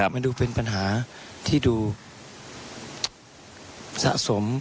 มันดูเป็นปัญหาที่ดูสะสม